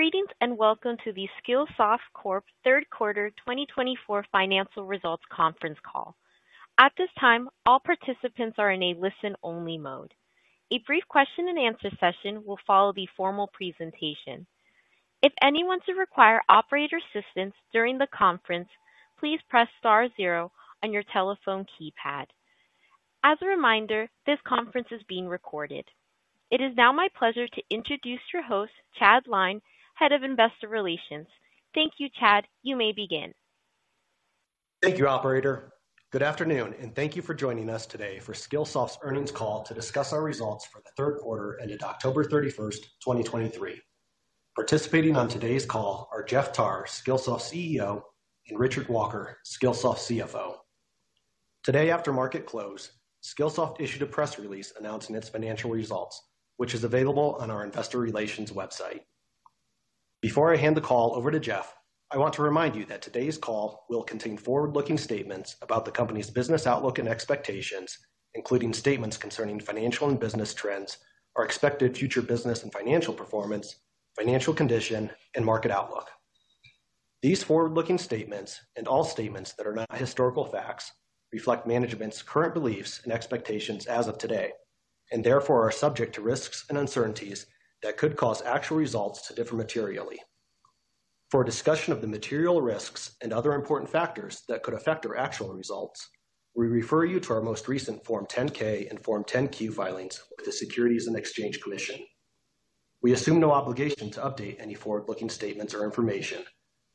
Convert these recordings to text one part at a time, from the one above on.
Greetings, and welcome to the Skillsoft Corp. third quarter 2024 financial results conference call. At this time, all participants are in a listen-only mode. A brief question and answer session will follow the formal presentation. If anyone should require operator assistance during the conference, please press star zero on your telephone keypad. As a reminder, this conference is being recorded. It is now my pleasure to introduce your host, Chad Lyne, Head of Investor Relations. Thank you, Chad. You may begin. Thank you, operator. Good afternoon, and thank you for joining us today for Skillsoft's earnings call to discuss our results for the third quarter ended October 31, 2023. Participating on today's call are Jeff Tarr, Skillsoft's CEO, and Richard Walker, Skillsoft's CFO. Today, after market close, Skillsoft issued a press release announcing its financial results, which is available on our investor relations website. Before I hand the call over to Jeff, I want to remind you that today's call will contain forward-looking statements about the company's business outlook and expectations, including statements concerning financial and business trends, our expected future business and financial performance, financial condition, and market outlook. These forward-looking statements, and all statements that are not historical facts, reflect management's current beliefs and expectations as of today, and therefore are subject to risks and uncertainties that could cause actual results to differ materially. For a discussion of the material risks and other important factors that could affect our actual results, we refer you to our most recent Form 10-K and Form 10-Q filings with the Securities and Exchange Commission. We assume no obligation to update any forward-looking statements or information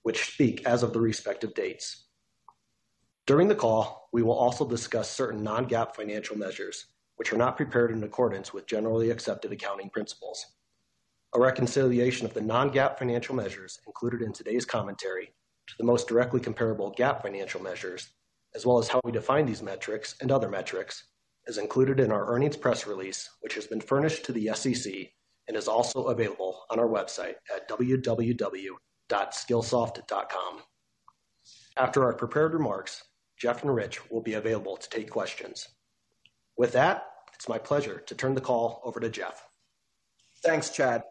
which speak as of the respective dates. During the call, we will also discuss certain non-GAAP financial measures, which are not prepared in accordance with generally accepted accounting principles. A reconciliation of the non-GAAP financial measures included in today's commentary to the most directly comparable GAAP financial measures, as well as how we define these metrics and other metrics, is included in our earnings press release, which has been furnished to the SEC and is also available on our website at www.skillsoft.com. After our prepared remarks, Jeff and Rich will be available to take questions. With that, it's my pleasure to turn the call over to Jeff. Thanks, Chad.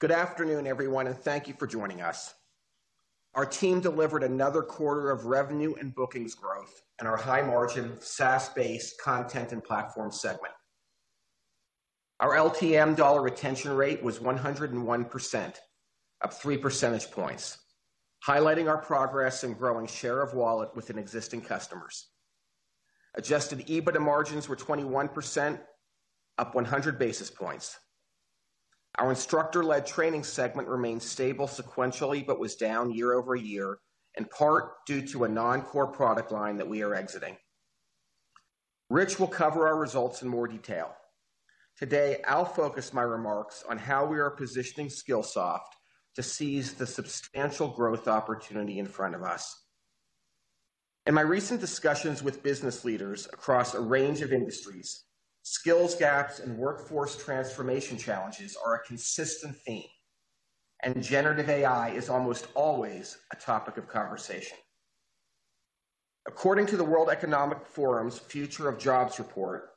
Good afternoon, everyone, and thank you for joining us. Our team delivered another quarter of revenue and bookings growth in our high-margin, SaaS-based content and platform segment. Our LTM dollar retention rate was 101%, up 3 percentage points, highlighting our progress in growing share of wallet within existing customers. Adjusted EBITDA margins were 21%, up 100 basis points. Our instructor-led training segment remained stable sequentially, but was down year-over-year, in part due to a non-core product line that we are exiting. Rich will cover our results in more detail. Today, I'll focus my remarks on how we are positioning Skillsoft to seize the substantial growth opportunity in front of us. In my recent discussions with business leaders across a range of industries, skills gaps and workforce transformation challenges are a consistent theme, and generative AI is almost always a topic of conversation. According to the World Economic Forum's Future of Jobs report,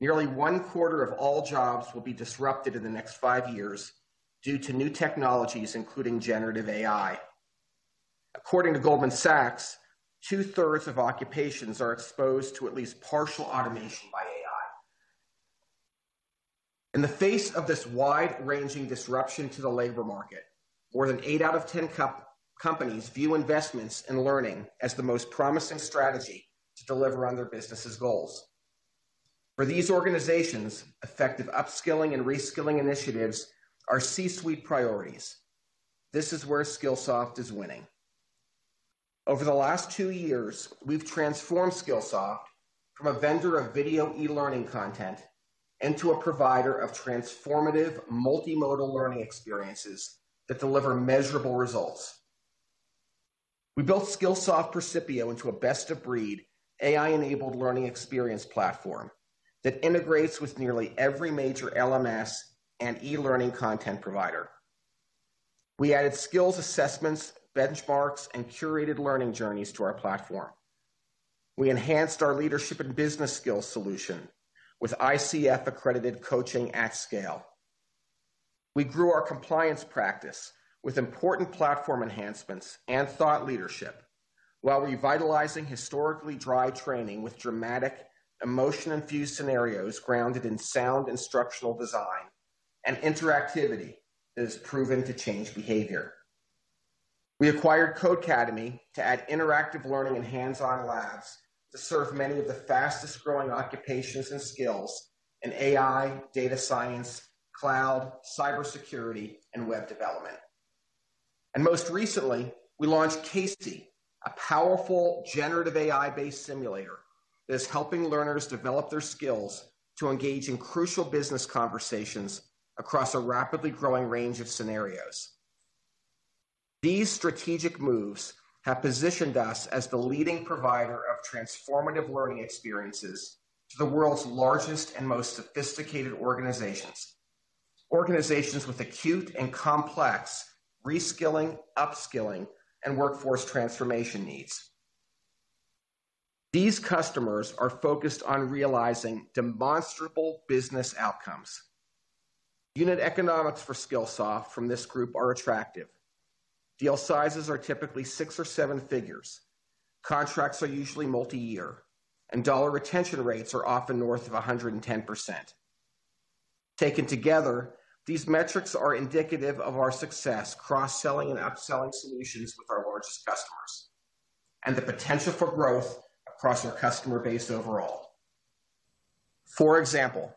nearly one quarter of all jobs will be disrupted in the next five years due to new technologies, including generative AI. According to Goldman Sachs, two-thirds of occupations are exposed to at least partial automation by AI. In the face of this wide-ranging disruption to the labor market, more than eight out of ten companies view investments in learning as the most promising strategy to deliver on their business's goals. For these organizations, effective upskilling and reskilling initiatives are C-suite priorities. This is where Skillsoft is winning. Over the last two years, we've transformed Skillsoft from a vendor of video e-learning content into a provider of transformative, multimodal learning experiences that deliver measurable results. We built Skillsoft Percipio into a best-of-breed, AI-enabled learning experience platform that integrates with nearly every major LMS and e-learning content provider. We added skills assessments, benchmarks, and curated learning journeys to our platform. We enhanced our leadership and business skills solution with ICF-accredited coaching at scale. We grew our compliance practice with important platform enhancements and thought leadership, while revitalizing historically dry training with dramatic, emotion-infused scenarios grounded in sound instructional design and interactivity that is proven to change behavior. We acquired Codecademy to add interactive learning and hands-on labs to serve many of the fastest-growing occupations and skills in AI, data science, cloud, cybersecurity, and web development. Most recently, we launched CAISY, a powerful generative AI-based simulator that is helping learners develop their skills to engage in crucial business conversations across a rapidly growing range of scenarios. These strategic moves have positioned us as the leading provider of transformative learning experiences to the world's largest and most sophisticated organizations. Organizations with acute and complex reskilling, upskilling, and workforce transformation needs.... These customers are focused on realizing demonstrable business outcomes. Unit economics for Skillsoft from this group are attractive. Deal sizes are typically six or seven figures. Contracts are usually multi-year, and dollar retention rates are often north of 110%. Taken together, these metrics are indicative of our success cross-selling and upselling solutions with our largest customers, and the potential for growth across our customer base overall. For example,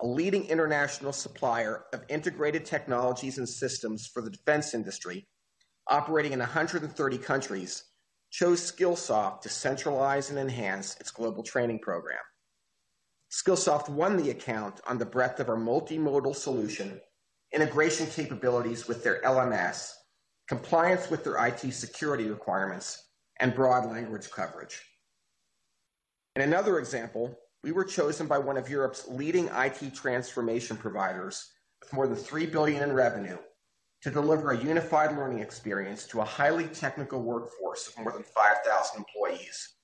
a leading international supplier of integrated technologies and systems for the defense industry, operating in 130 countries, chose Skillsoft to centralize and enhance its global training program. Skillsoft won the account on the breadth of our multimodal solution, integration capabilities with their LMS, compliance with their IT security requirements, and broad language coverage. In another example, we were chosen by one of Europe's leading IT transformation providers, with more than $3 billion in revenue, to deliver a unified learning experience to a highly technical workforce of more than 5,000 employees.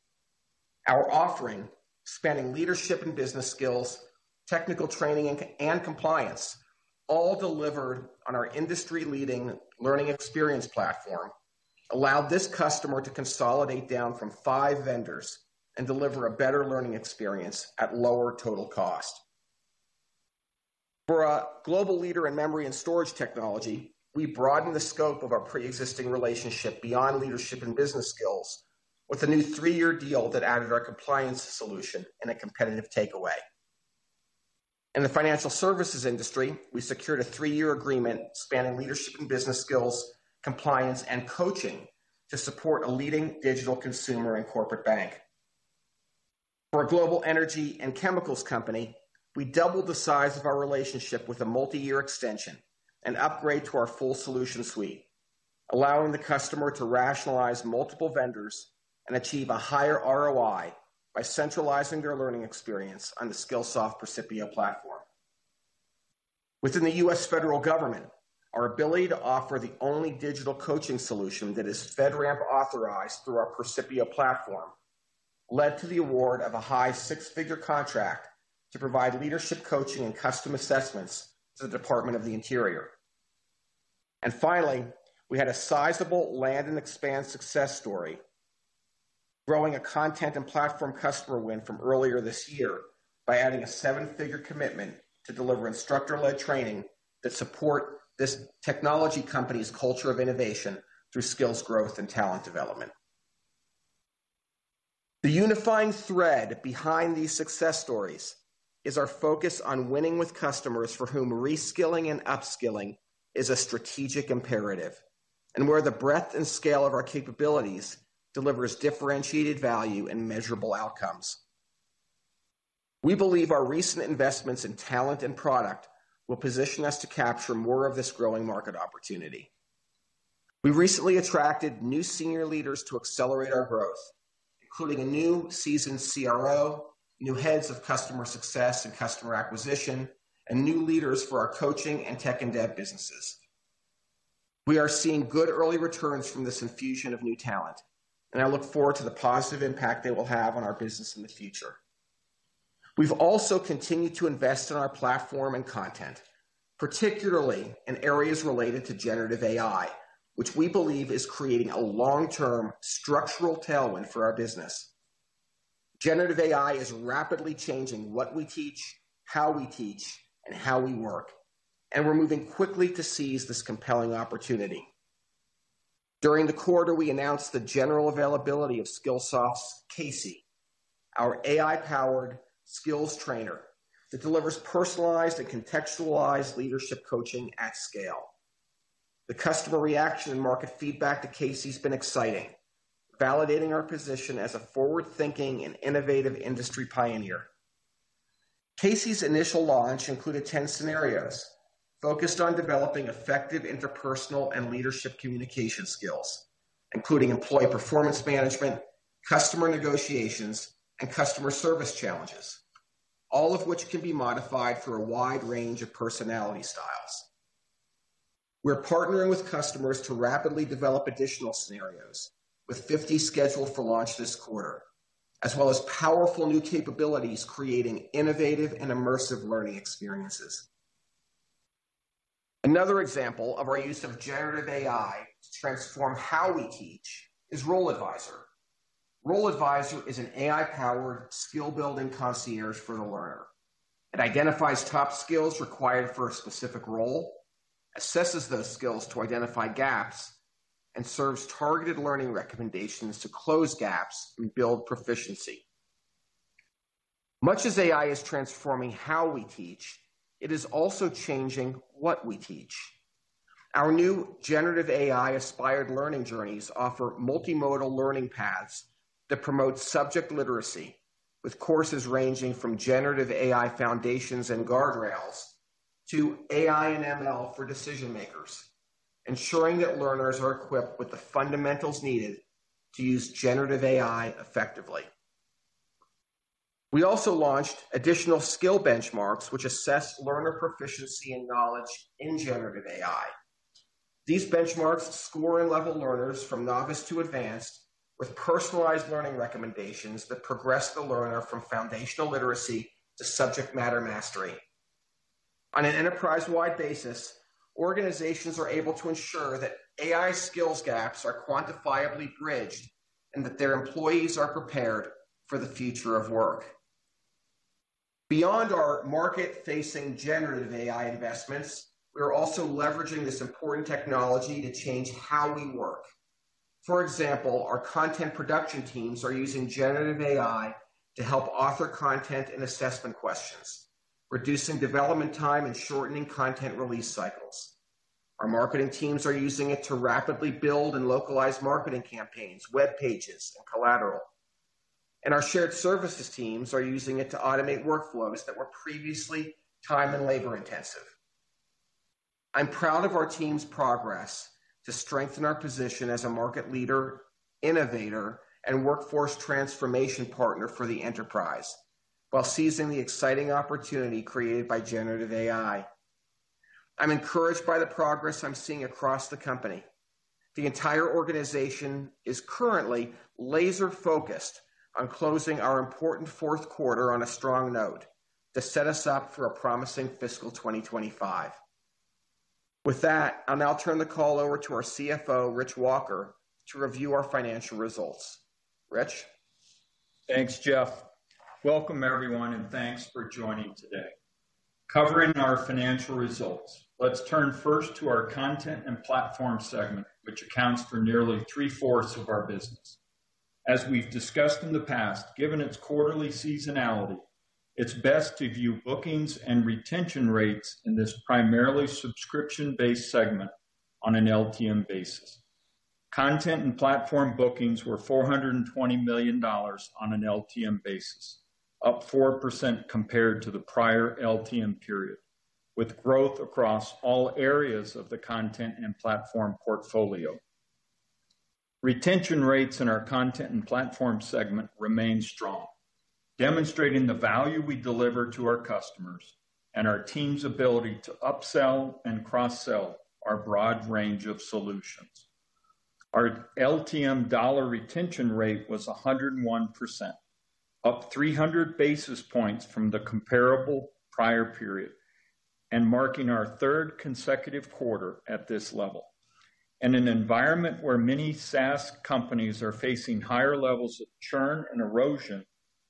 Our offering, spanning leadership and business skills, technical training, and compliance, all delivered on our industry-leading learning experience platform, allowed this customer to consolidate down from five vendors and deliver a better learning experience at lower total cost. For a global leader in memory and storage technology, we broadened the scope of our pre-existing relationship beyond leadership and business skills, with a new 3-year deal that added our compliance solution in a competitive takeaway. In the financial services industry, we secured a 3-year agreement spanning leadership and business skills, compliance, and coaching to support a leading digital consumer and corporate bank. For a global energy and chemicals company, we doubled the size of our relationship with a multi-year extension and upgrade to our full solution suite, allowing the customer to rationalize multiple vendors and achieve a higher ROI by centralizing their learning experience on the Skillsoft Percipio platform. Within the U.S. federal government, our ability to offer the only digital coaching solution that is FedRAMP authorized through our Percipio platform, led to the award of a high six-figure contract to provide leadership coaching and custom assessments to the Department of the Interior. Finally, we had a sizable land and expand success story, growing a content and platform customer win from earlier this year by adding a seven-figure commitment to deliver instructor-led training that support this technology company's culture of innovation through skills growth and talent development. The unifying thread behind these success stories is our focus on winning with customers for whom reskilling and upskilling is a strategic imperative, and where the breadth and scale of our capabilities delivers differentiated value and measurable outcomes. We believe our recent investments in talent and product will position us to capture more of this growing market opportunity. We recently attracted new senior leaders to accelerate our growth, including a new seasoned CRO, new heads of customer success and customer acquisition, and new leaders for our coaching and tech and dev businesses. We are seeing good early returns from this infusion of new talent, and I look forward to the positive impact they will have on our business in the future. We've also continued to invest in our platform and content, particularly in areas related to generative AI, which we believe is creating a long-term structural tailwind for our business. generative AI is rapidly changing what we teach, how we teach, and how we work, and we're moving quickly to seize this compelling opportunity. During the quarter, we announced the general availability of Skillsoft's CAISY, our AI-powered skills trainer, that delivers personalized and contextualized leadership coaching at scale. The customer reaction and market feedback to CAISY's been exciting, validating our position as a forward-thinking and innovative industry pioneer. CAISY's initial launch included 10 scenarios focused on developing effective interpersonal and leadership communication skills, including employee performance management, customer negotiations, and customer service challenges, all of which can be modified for a wide range of personality styles. We're partnering with customers to rapidly develop additional scenarios, with 50 scheduled for launch this quarter, as well as powerful new capabilities, creating innovative and immersive learning experiences. Another example of our use of generative AI to transform how we teach is Role Advisor. Role Advisor is an AI-powered skill-building concierge for the learner. It identifies top skills required for a specific role, assesses those skills to identify gaps, and serves targeted learning recommendations to close gaps and build proficiency. Much as AI is transforming how we teach, it is also changing what we teach. Our new generative AI-inspired learning journeys offer multimodal learning paths that promote subject literacy, with courses ranging from Generative AI Foundations and guardrails to AI and ML for Decision Makers, ensuring that learners are equipped with the fundamentals needed to use generative AI effectively. We also launched additional skill benchmarks, which assess learner proficiency and knowledge in generative AI. These benchmarks score and level learners from novice to advanced, with personalized learning recommendations that progress the learner from foundational literacy to subject matter mastery. On an enterprise-wide basis, organizations are able to ensure that AI skills gaps are quantifiably bridged and that their employees are prepared for the future of work. Beyond our market-facing generative AI investments, we are also leveraging this important technology to change how we work. For example, our content production teams are using generative AI to help author content and assessment questions, reducing development time and shortening content release cycles. Our marketing teams are using it to rapidly build and localize marketing campaigns, web pages, and collateral. Our shared services teams are using it to automate workflows that were previously time and labor-intensive. I'm proud of our team's progress to strengthen our position as a market leader, innovator, and workforce transformation partner for the enterprise, while seizing the exciting opportunity created by generative AI. I'm encouraged by the progress I'm seeing across the company. The entire organization is currently laser-focused on closing our important fourth quarter on a strong note to set us up for a promising fiscal 2025. With that, I'll now turn the call over to our CFO, Rich Walker, to review our financial results. Rich? Thanks, Jeff. Welcome, everyone, and thanks for joining today. Covering our financial results, let's turn first to our content and platform segment, which accounts for nearly three-fourths of our business. As we've discussed in the past, given its quarterly seasonality, it's best to view bookings and retention rates in this primarily subscription-based segment on an LTM basis. Content and platform bookings were $420 million on an LTM basis, up 4% compared to the prior LTM period, with growth across all areas of the content and platform portfolio. Retention rates in our content and platform segment remain strong, demonstrating the value we deliver to our customers and our team's ability to upsell and cross-sell our broad range of solutions. Our LTM dollar retention rate was 101%, up 300 basis points from the comparable prior period and marking our third consecutive quarter at this level. In an environment where many SaaS companies are facing higher levels of churn and erosion,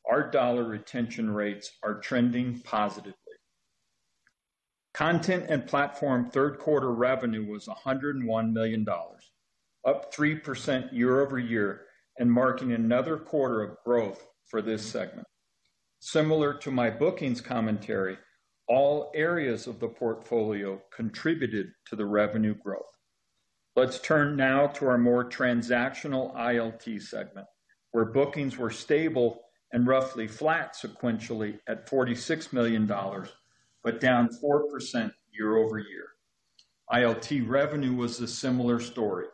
our dollar retention rates are trending positively. Content and platform third quarter revenue was $101 million, up 3% year-over-year, and marking another quarter of growth for this segment. Similar to my bookings commentary, all areas of the portfolio contributed to the revenue growth. Let's turn now to our more transactional ILT segment, where bookings were stable and roughly flat sequentially at $46 million, but down 4% year-over-year. ILT revenue was a similar story,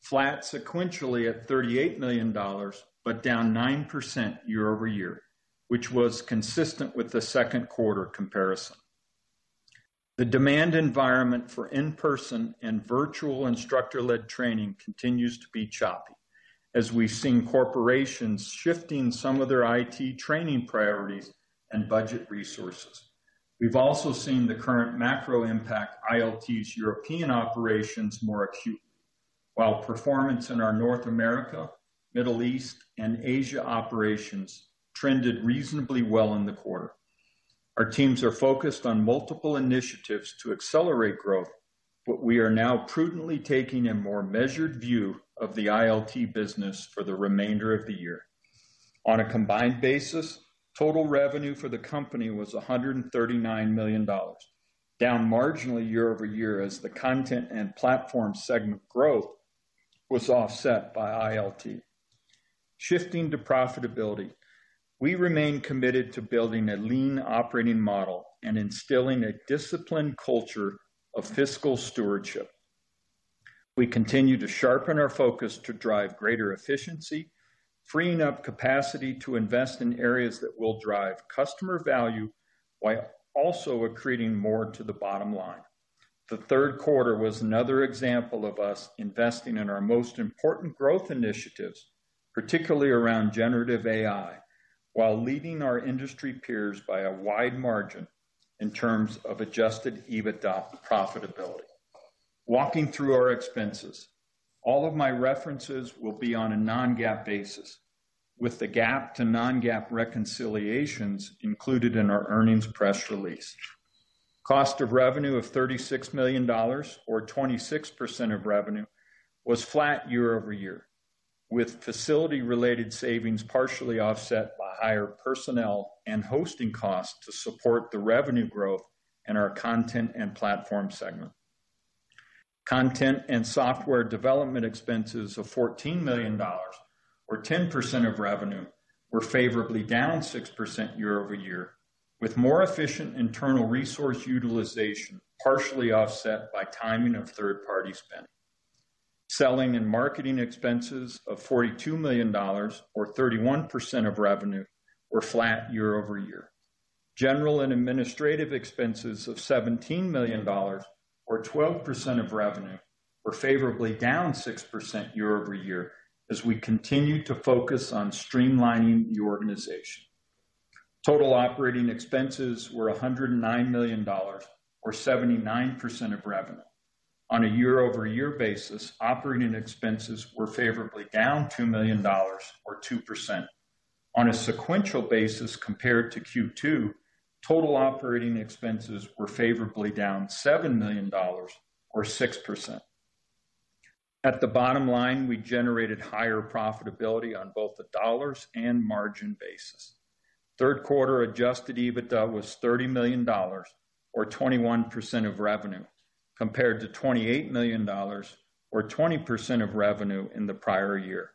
flat sequentially at $38 million, but down 9% year-over-year, which was consistent with the second quarter comparison. The demand environment for in-person and virtual instructor-led training continues to be choppy, as we've seen corporations shifting some of their IT training priorities and budget resources. We've also seen the current macro impact ILT's European operations more acutely, while performance in our North America, Middle East, and Asia operations trended reasonably well in the quarter. Our teams are focused on multiple initiatives to accelerate growth, but we are now prudently taking a more measured view of the ILT business for the remainder of the year. On a combined basis, total revenue for the company was $139 million, down marginally year-over-year as the content and platform segment growth was offset by ILT. Shifting to profitability, we remain committed to building a lean operating model and instilling a disciplined culture of fiscal stewardship. We continue to sharpen our focus to drive greater efficiency, freeing up capacity to invest in areas that will drive customer value while also accreting more to the bottom line. The third quarter was another example of us investing in our most important growth initiatives, particularly around generative AI, while leading our industry peers by a wide margin in terms of Adjusted EBITDA profitability. Walking through our expenses, all of my references will be on a non-GAAP basis, with the GAAP to non-GAAP reconciliations included in our earnings press release. Cost of revenue of $36 million or 26% of revenue, was flat year-over-year, with facility-related savings partially offset by higher personnel and hosting costs to support the revenue growth in our content and platform segment. Content and software development expenses of $14 million, or 10% of revenue, were favorably down 6% year-over-year, with more efficient internal resource utilization, partially offset by timing of third-party spend. Selling and marketing expenses of $42 million or 31% of revenue were flat year-over-year. General and administrative expenses of $17 million, or 12% of revenue, were favorably down 6% year-over-year as we continued to focus on streamlining the organization. Total operating expenses were $109 million, or 79% of revenue. On a year-over-year basis, operating expenses were favorably down $2 million, or 2%. On a sequential basis, compared to Q2, total operating expenses were favorably down $7 million or 6%. At the bottom line, we generated higher profitability on both the dollars and margin basis. Third quarter adjusted EBITDA was $30 million, or 21% of revenue, compared to $28 million or 20% of revenue in the prior year.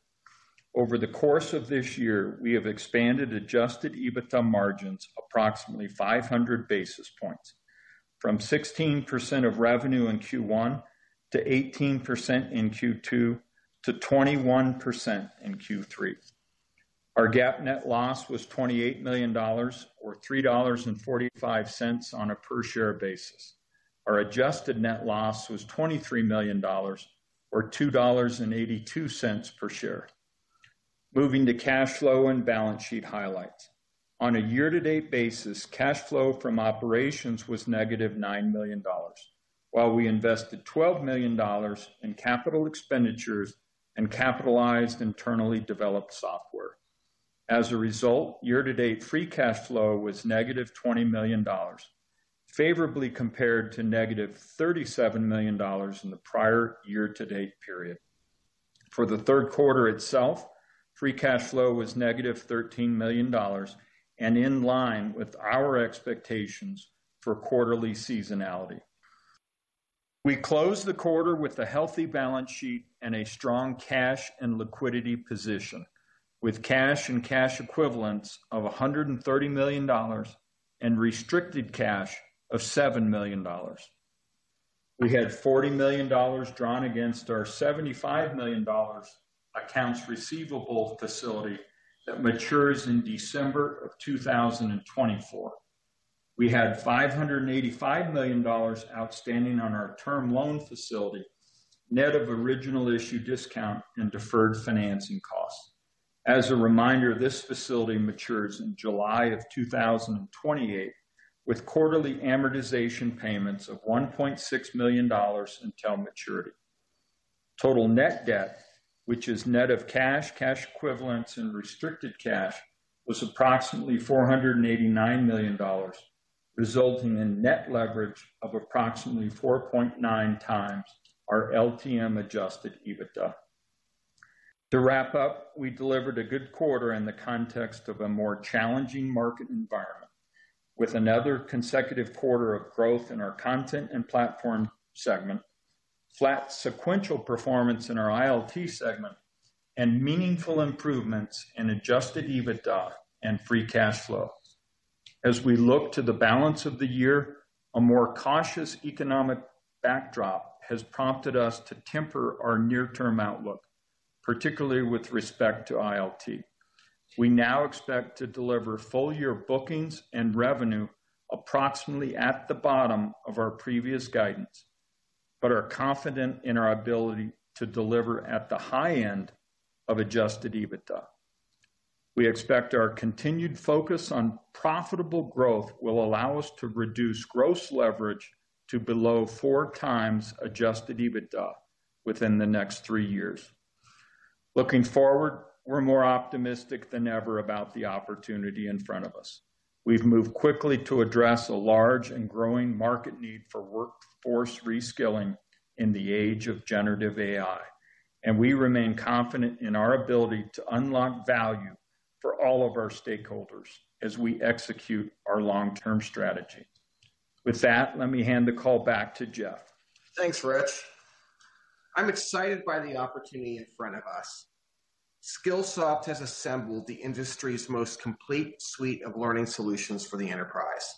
Over the course of this year, we have expanded adjusted EBITDA margins approximately 500 basis points, from 16% of revenue in Q1 to 18% in Q2 to 21% in Q3. Our GAAP net loss was $28 million or $3.45 on a per-share basis. Our adjusted net loss was $23 million or $2.82 per share. Moving to cash flow and balance sheet highlights. On a year-to-date basis, cash flow from operations was -$9 million, while we invested $12 million in capital expenditures and capitalized internally developed software. As a result, year-to-date free cash flow was negative $20 million, favorably compared to negative $37 million in the prior year-to-date period. For the third quarter itself, free cash flow was negative $13 million and in line with our expectations for quarterly seasonality. We closed the quarter with a healthy balance sheet and a strong cash and liquidity position, with cash and cash equivalents of $130 million and restricted cash of $7 million. We had $40 million drawn against our $75 million accounts receivable facility that matures in December 2024. We had $585 million outstanding on our term loan facility, net of original issue discount and deferred financing costs. As a reminder, this facility matures in July of 2028, with quarterly amortization payments of $1.6 million until maturity. Total net debt, which is net of cash, cash equivalents, and restricted cash, was approximately $489 million, resulting in net leverage of approximately 4.9x our LTM Adjusted EBITDA. To wrap up, we delivered a good quarter in the context of a more challenging market environment, with another consecutive quarter of growth in our content and platform segment, flat sequential performance in our ILT segment, and meaningful improvements in Adjusted EBITDA and free cash flow. As we look to the balance of the year, a more cautious economic backdrop has prompted us to temper our near-term outlook, particularly with respect to ILT. We now expect to deliver full-year bookings and revenue approximately at the bottom of our previous guidance, but are confident in our ability to deliver at the high end of Adjusted EBITDA. We expect our continued focus on profitable growth will allow us to reduce gross leverage to below four times Adjusted EBITDA within the next three years. Looking forward, we're more optimistic than ever about the opportunity in front of us. We've moved quickly to address a large and growing market need for workforce reskilling in the age of generative AI, and we remain confident in our ability to unlock value for all of our stakeholders as we execute our long-term strategy. With that, let me hand the call back to Jeff. Thanks, Rich. I'm excited by the opportunity in front of us. Skillsoft has assembled the industry's most complete suite of learning solutions for the enterprise.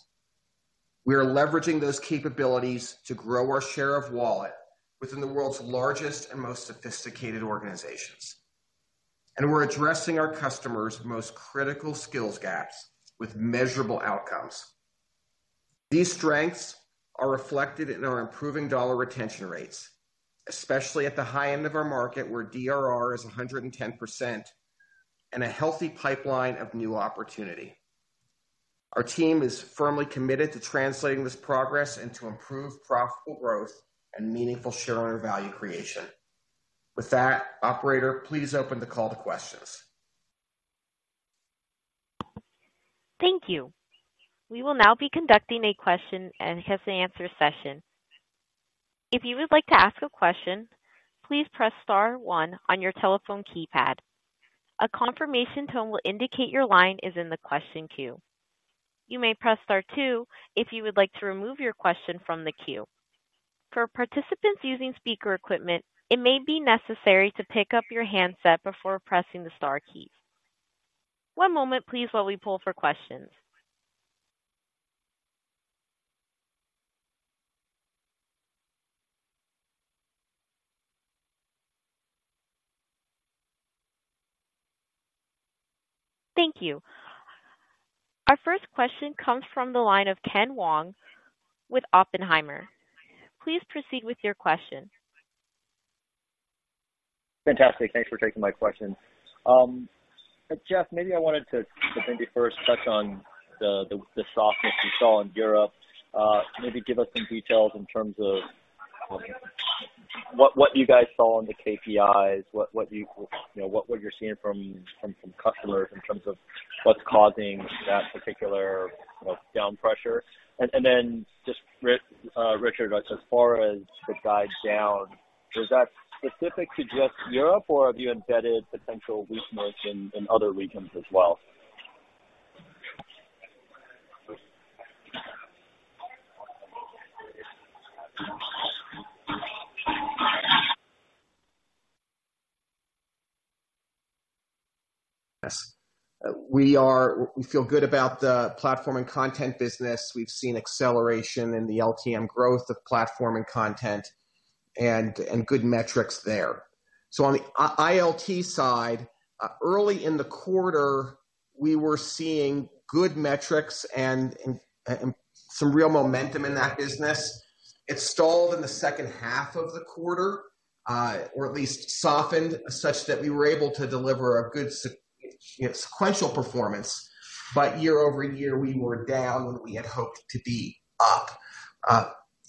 We are leveraging those capabilities to grow our share of wallet within the world's largest and most sophisticated organizations, and we're addressing our customers' most critical skills gaps with measurable outcomes. These strengths are reflected in our improving dollar retention rates, especially at the high end of our market, where DRR is 110% and a healthy pipeline of new opportunity. Our team is firmly committed to translating this progress into improved, profitable growth and meaningful shareholder value creation. With that, operator, please open the call to questions. Thank you. We will now be conducting a question and answer session. If you would like to ask a question, please press star one on your telephone keypad. A confirmation tone will indicate your line is in the question queue. You may press star two if you would like to remove your question from the queue. For participants using speaker equipment, it may be necessary to pick up your handset before pressing the star key. One moment, please, while we poll for questions. Thank you. Our first question comes from the line of Ken Wong with Oppenheimer. Please proceed with your question. Fantastic! Thanks for taking my question. Jeff, maybe I wanted to maybe first touch on the softness you saw in Europe. Maybe give us some details in terms of what you guys saw on the KPIs, what you know what you're seeing from customers in terms of what's causing that particular down pressure. And then just, Rich, Richard, as far as the guide down, is that specific to just Europe, or have you embedded potential weakness in other regions as well?... Yes. We feel good about the platform and content business. We've seen acceleration in the LTM growth of platform and content and good metrics there. So on the ILT side, early in the quarter, we were seeing good metrics and some real momentum in that business. It stalled in the second half of the quarter, or at least softened, such that we were able to deliver a good, you know, sequential performance. But year over year, we were down, we had hoped to be up.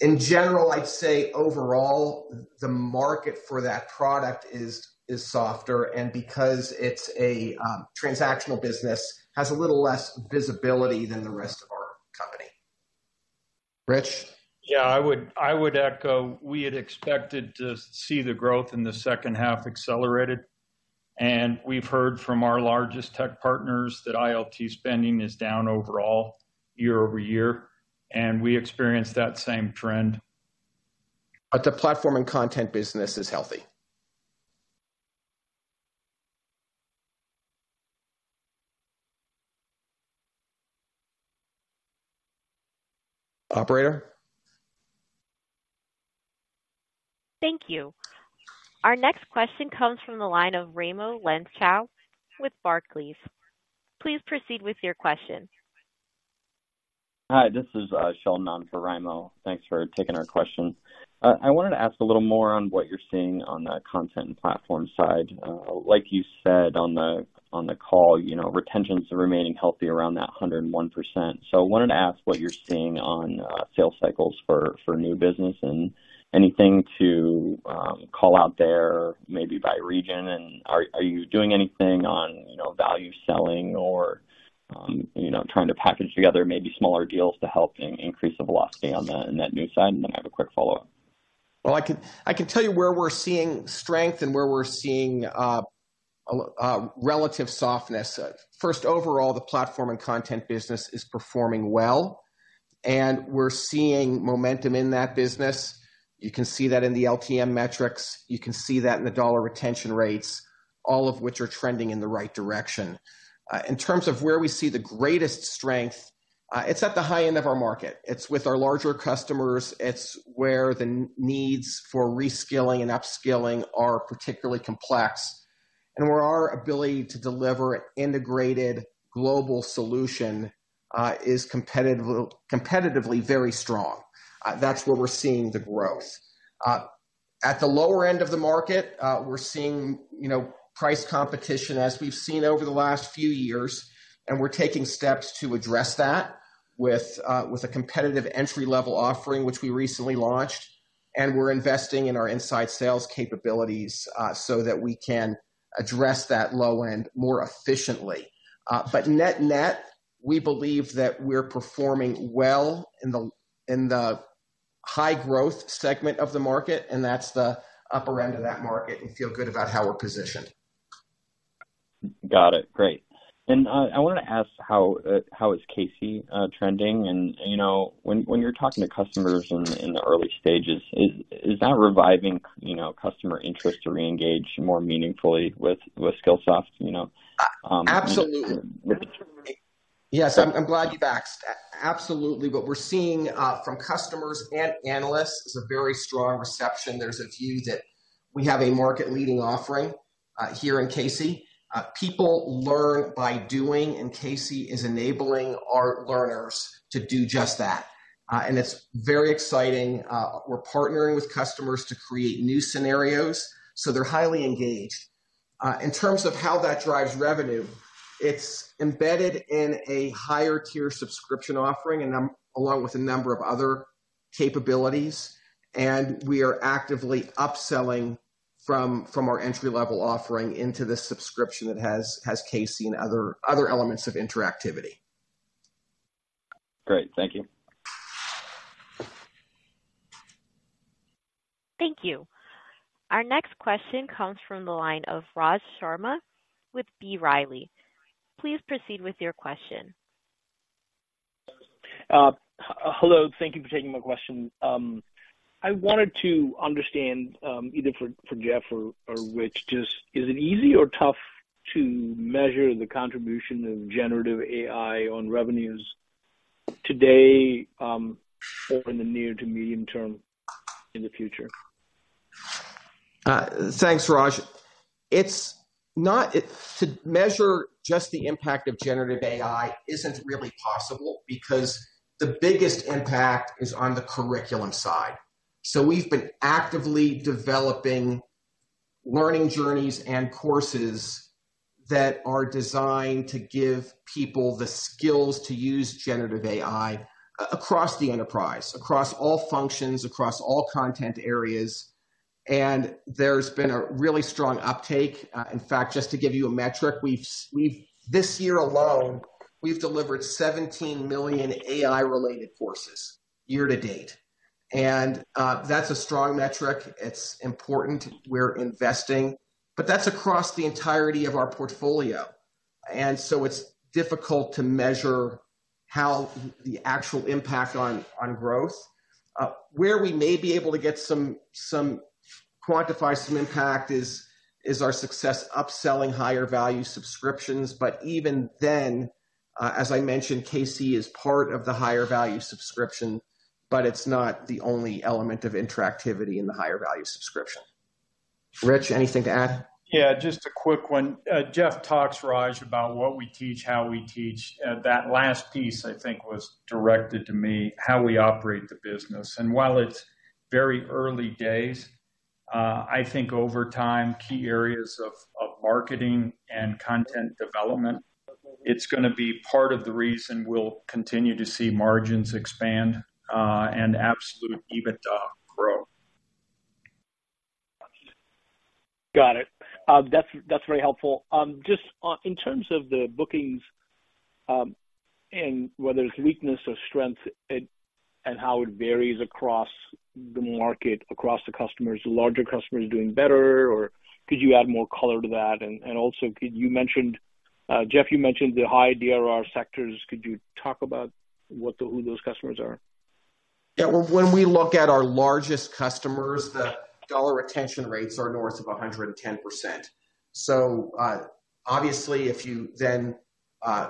In general, I'd say overall, the market for that product is softer, and because it's a transactional business, has a little less visibility than the rest of our company. Rich? Yeah, I would, I would echo. We had expected to see the growth in the second half accelerated, and we've heard from our largest tech partners that ILT spending is down overall year-over-year, and we experienced that same trend. But the platform and content business is healthy. Operator? Thank you. Our next question comes from the line of Raimo Lenschow with Barclays. Please proceed with your question. Hi, this is Sheldon in for Raimo. Thanks for taking our question. I wanted to ask a little more on what you're seeing on the content and platform side. Like you said, on the call, you know, retention is remaining healthy around that 101%. So I wanted to ask what you're seeing on sales cycles for new business and anything to call out there, maybe by region. And are you doing anything on, you know, value selling or, you know, trying to package together maybe smaller deals to help increase the velocity on the in that new side? And then I have a quick follow-up. Well, I can, I can tell you where we're seeing strength and where we're seeing relative softness. First, overall, the platform and content business is performing well, and we're seeing momentum in that business. You can see that in the LTM metrics. You can see that in the dollar retention rates, all of which are trending in the right direction. In terms of where we see the greatest strength, it's at the high end of our market. It's with our larger customers. It's where the needs for reskilling and upskilling are particularly complex, and where our ability to deliver integrated global solution is competitively very strong. That's where we're seeing the growth. At the lower end of the market, we're seeing, you know, price competition as we've seen over the last few years, and we're taking steps to address that with, with a competitive entry-level offering, which we recently launched. We're investing in our inside sales capabilities, so that we can address that low end more efficiently. But net-net, we believe that we're performing well in the, in the high-growth segment of the market, and that's the upper end of that market, and feel good about how we're positioned. Got it. Great. And I want to ask how is CAISY trending? And, you know, when you're talking to customers in the early stages, is that reviving, you know, customer interest to reengage more meaningfully with Skillsoft, you know? Absolutely. Yes, I'm glad you asked. Absolutely. What we're seeing from customers and analysts is a very strong reception. There's a view that we have a market-leading offering here in CAISY. People learn by doing, and CAISY is enabling our learners to do just that. It's very exciting. We're partnering with customers to create new scenarios, so they're highly engaged. In terms of how that drives revenue, it's embedded in a higher-tier subscription offering, and along with a number of other capabilities, and we are actively upselling from our entry-level offering into this subscription that has CAISY and other elements of interactivity. Great. Thank you. Thank you. Our next question comes from the line of Raj Sharma with B. Riley. Please proceed with your question. Hello, thank you for taking my question.... I wanted to understand, either for Jeff or Rich, just is it easy or tough to measure the contribution of generative AI on revenues today, or in the near to medium term in the future? Thanks, Raj. It's not- to measure just the impact of generative AI isn't really possible because the biggest impact is on the curriculum side. We've been actively developing learning journeys and courses that are designed to give people the skills to use generative AI across the enterprise, across all functions, across all content areas. There's been a really strong uptake. In fact, just to give you a metric, we've- this year alone, we've delivered 17 million AI-related courses year to date. That's a strong metric. It's important, we're investing, but that's across the entirety of our portfolio. It's difficult to measure how the actual impact on growth. Where we may be able to get some, some... quantify some impact is our success upselling higher value subscriptions. But even then, as I mentioned, CAISY is part of the higher value subscription, but it's not the only element of interactivity in the higher value subscription. Rich, anything to add? Yeah, just a quick one. Jeff talks, Raj, about what we teach, how we teach. That last piece, I think, was directed to me, how we operate the business. While it's very early days, I think over time, key areas of marketing and content development, it's gonna be part of the reason we'll continue to see margins expand, and absolute EBITDA grow. Got it. That's very helpful. Just in terms of the bookings, and whether it's weakness or strength and how it varies across the market, across the customers, are larger customers doing better, or could you add more color to that? And also, could you mention... Jeff, you mentioned the high DRR sectors. Could you talk about what—who those customers are? Yeah. When we look at our largest customers, the dollar retention rates are north of 110%. So, obviously, if you then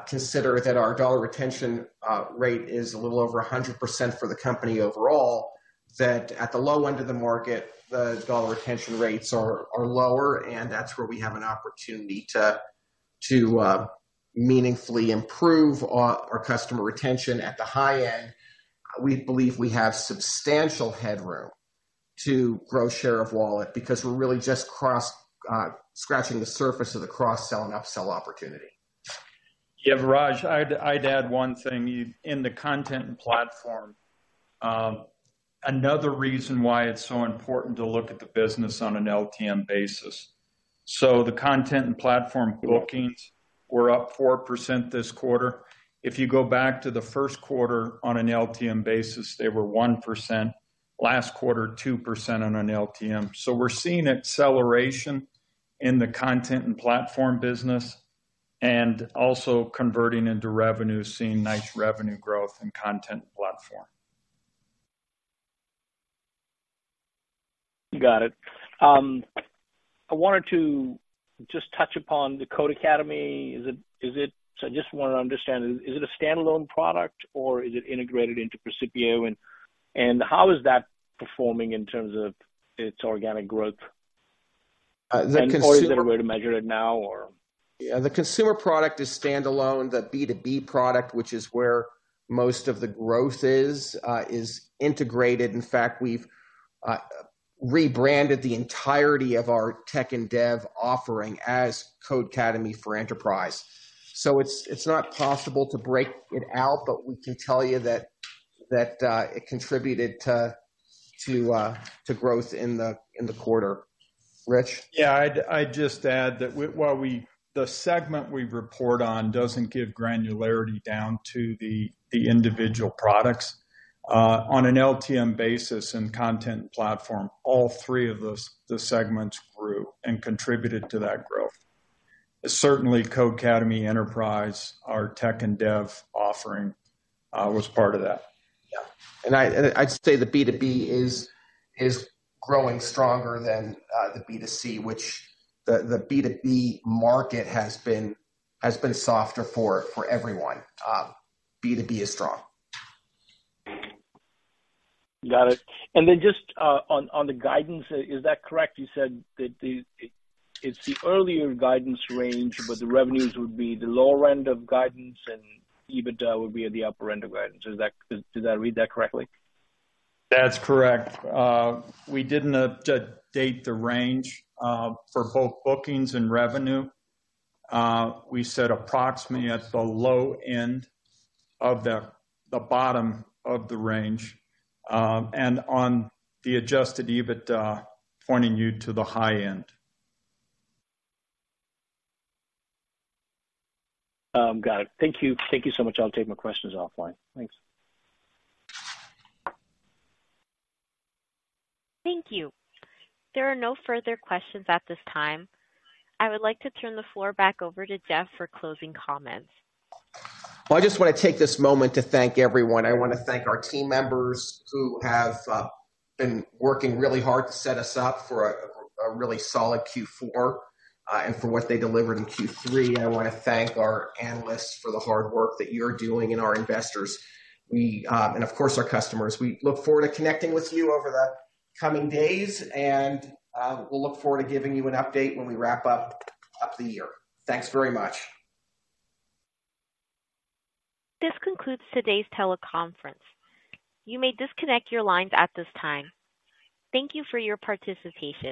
consider that our dollar retention rate is a little over 100% for the company overall, that at the low end of the market, the dollar retention rates are lower, and that's where we have an opportunity to meaningfully improve our customer retention. At the high end, we believe we have substantial headroom to grow share of wallet because we're really just scratching the surface of the cross-sell and upsell opportunity. Yeah, Raj, I'd, I'd add one thing. In the content and platform, another reason why it's so important to look at the business on an LTM basis. So the content and platform bookings were up 4% this quarter. If you go back to the first quarter on an LTM basis, they were 1%. Last quarter, 2% on an LTM. So we're seeing acceleration in the content and platform business, and also converting into revenue, seeing nice revenue growth in content platform. Got it. I wanted to just touch upon the Codecademy. So I just want to understand, is it a standalone product or is it integrated into Percipio? And how is that performing in terms of its organic growth? The cons- Or is there a way to measure it now or? Yeah, the consumer product is standalone. The B2B product, which is where most of the growth is, is integrated. In fact, we've rebranded the entirety of our tech and dev offering as Codecademy for Enterprise. So it's not possible to break it out, but we can tell you that it contributed to growth in the quarter. Rich? Yeah, I'd just add that while we—the segment we report on doesn't give granularity down to the individual products, on an LTM basis and content platform, all three of those, the segments grew and contributed to that growth. Certainly, Codecademy Enterprise, our tech and dev offering, was part of that. Yeah. I'd say the B2B is growing stronger than the B2C, which the B2B market has been softer for everyone. B2B is strong. Got it. And then just, on the guidance, is that correct? You said that the, it's the earlier guidance range, but the revenues would be the lower end of guidance and EBITDA would be at the upper end of guidance. Is that... Did I read that correctly? That's correct. We didn't update the range for both bookings and revenue. We said approximately at the low end of the bottom of the range, and on the Adjusted EBITDA, pointing you to the high end. Got it. Thank you. Thank you so much. I'll take my questions offline. Thanks. Thank you. There are no further questions at this time. I would like to turn the floor back over to Jeff for closing comments. Well, I just want to take this moment to thank everyone. I want to thank our team members who have been working really hard to set us up for a really solid Q4, and for what they delivered in Q3. I want to thank our analysts for the hard work that you're doing, and our investors. We... and of course, our customers. We look forward to connecting with you over the coming days, and we'll look forward to giving you an update when we wrap up the year. Thanks very much. This concludes today's teleconference. You may disconnect your lines at this time. Thank you for your participation.